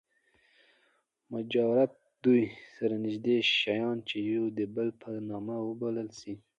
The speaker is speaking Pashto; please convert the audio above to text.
مجاورت دوه سره نژدې شیان، چي يو د بل په نامه وبلل سي.